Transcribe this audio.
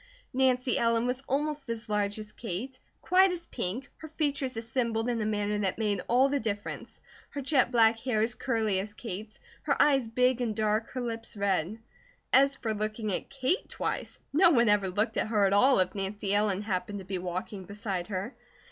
Nancy Ellen was almost as large as Kate, quite as pink, her features assembled in a manner that made all the difference, her jet black hair as curly as Kate's, her eyes big and dark, her lips red. As for looking at Kate twice, no one ever looked at her at all if Nancy Ellen happened to be walking beside her.